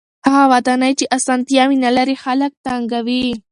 هغه ودانۍ چې اسانتیاوې نلري خلک تنګوي.